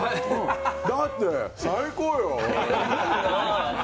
だって、最高よ。